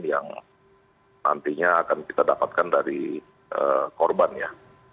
yang nantinya akan kita dapatkan dari korbannya